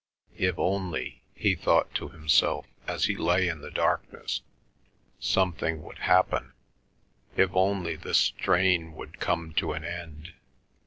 If only, he thought to himself, as he lay in the darkness, something would happen—if only this strain would come to an end.